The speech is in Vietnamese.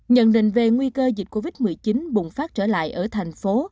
nhận định về nguy cơ dịch covid một mươi chín bùng phát trở lại ở thành phố